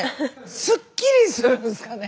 すっきりするんすかね？